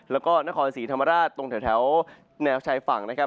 แล้วก็นครศรีธรรมราชตรงแถวแนวชายฝั่งนะครับ